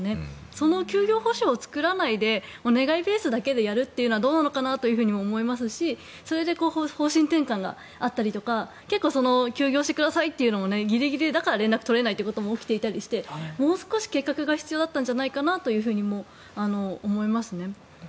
その休業補償を作らないでお願いベースだけでやるというのはどうなのかなと思いますしそれで方針転換があったりとか結構休業してくださいというのもギリギリだから連絡が取れないということも起きていたりしてもう少し計画が必要だったんじゃないかなとも思いますね。